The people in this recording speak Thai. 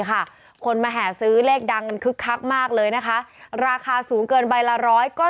คนมาแห่ซื้อเลขดังกันคึกคักมากเลยนะคะราคาสูงเกินใบละร้อยก็